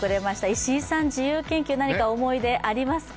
石井さん、自由研究、思い出ありますか？